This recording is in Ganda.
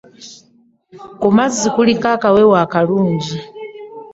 Ku mazzi kuliko akawewo akalungi.